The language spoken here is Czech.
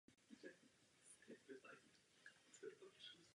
Druhou zásadou je sledovatelnost, ochrana osobních údajů a důvěryhodnost.